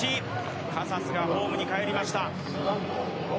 カサスがホームにかえりました。